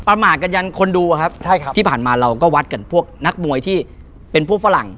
มากันยันคนดูอะครับใช่ครับที่ผ่านมาเราก็วัดกันพวกนักมวยที่เป็นพวกฝรั่ง